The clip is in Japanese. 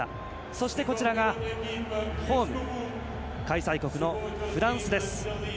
そして、こちらがホーム開催国のフランスです。